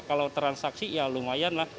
kalau transaksi ya lumayan lah